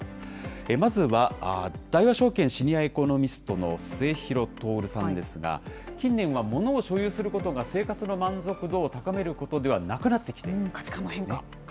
まずは、大和証券シニアエコノミストの末廣徹さんですが、近年は物を所有することが生活の満足度を高めることではなくなっ価値観の変化。